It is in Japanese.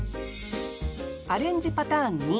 アレンジパターン２。